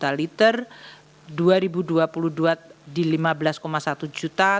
tahun dua ribu dua puluh dua rp lima belas satu juta